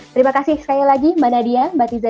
terima kasih sekali lagi mbak nadia mbak tiza